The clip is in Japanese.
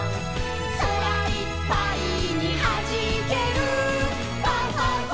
「そらいっぱいにはじける」「ファンファンファン！